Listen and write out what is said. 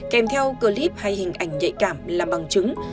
kèm theo clip hay hình ảnh nhạy cảm là bằng chứng